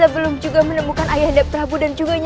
aku tidak sanggup lagi untuk berjalan